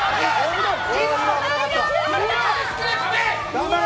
頑張れ！